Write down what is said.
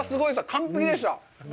完璧でした。